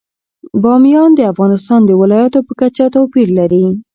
بامیان د افغانستان د ولایاتو په کچه توپیر لري.